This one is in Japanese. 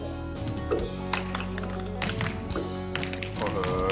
へえ。